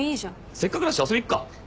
せっかくだし遊びに行くか。